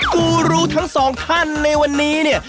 กูรูทั้งสองท่านในวันนี้เนี่ย